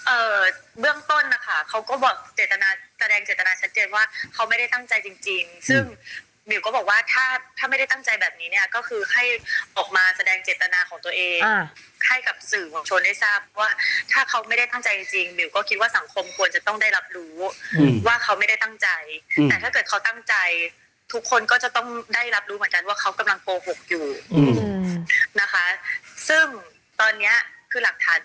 เอ่อเรื่องต้นนะคะเขาก็บอกเจตนาแสดงเจตนาชัดเจนว่าเขาไม่ได้ตั้งใจจริงจริงซึ่งหมิ๋วก็บอกว่าถ้าถ้าไม่ได้ตั้งใจแบบนี้เนี้ยก็คือให้ออกมาแสดงเจตนาของตัวเองให้กับสื่อของชนได้ทราบว่าถ้าเขาไม่ได้ตั้งใจจริงจริงหมิ๋วก็คิดว่าสังคมควรจะต้องได้รับรู้ว่าเขาไม่ได้ตั้งใจแต่ถ้าเกิดเข